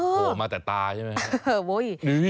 โผล่มาแต่ตาใช่ไหม